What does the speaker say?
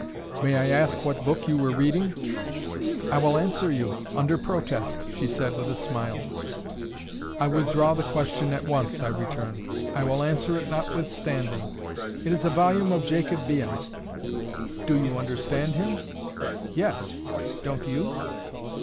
"May I ask what book you were reading?" "I will answer you—under protest," she said, with a smile. "I withdraw the question at once," I returned. "I will answer it notwithstanding. It is a volume of Jacob Behmen." "Do you understand him?" "Yes. Don't you?"